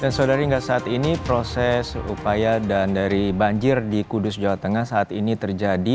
dan saudari saudari saat ini proses upaya dan dari banjir di kudus jawa tengah saat ini terjadi